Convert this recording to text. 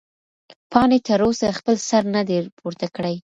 پاڼې تر اوسه خپل سر نه دی پورته کړی.